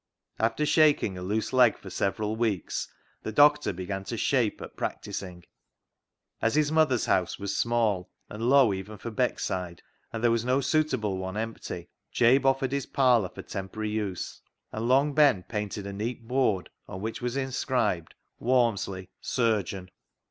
After shaking a loose leg for several weeks, the doctor began to " shape " at practising. As his mother's house was small and low even for Beckside, and there was no suitable one empty, Jabe offered his parlour for temporary use, and Long Ben painted a neat board, on which was inscribed, " Walmsley, Surgeon."